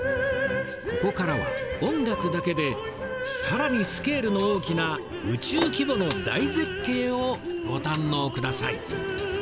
ここからは音楽だけで更にスケールの大きな宇宙規模の大絶景をご堪能ください！